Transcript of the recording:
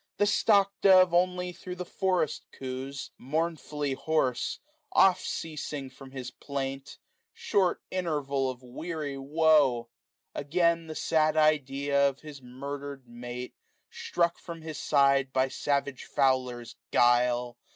The stock dove only thro*^ the forest cooest 61$ S U M M £ IL 7S Mournfully hoarse ; oft ceasing from his plaint } Short interval of weary woe ! again The sad idea of his murder'd mate. Struck from his side by savage fowler's guile.